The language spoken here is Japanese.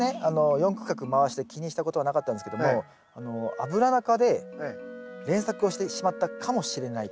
４区画回して気にしたことはなかったんですけどもアブラナ科で連作をしてしまったかもしれないと。